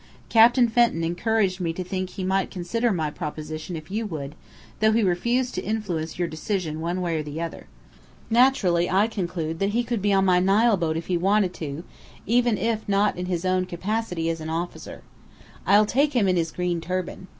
Captain Fenton encouraged me to think he might consider my proposition if you would, though he refused to influence your decision one way or the other. Naturally I conclude that he could be on my Nile boat if he wanted to, even if not in his own capacity as an officer. I'll take him in his green turban.